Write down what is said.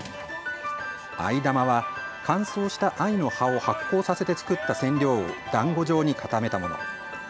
藍玉は乾燥した藍の葉を発酵させて作った染料をだんご状に固めたもの。